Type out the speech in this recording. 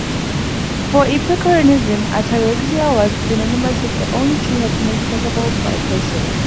For Epicureanism, "ataraxia" was synonymous with the only true happiness possible for a person.